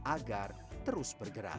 agar terus bergerak